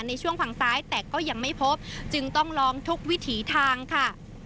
ในช่วงฝั่งซ้ายแต่ก็ยังไม่พบจึงต้องลองทุกวิถีทางค่ะ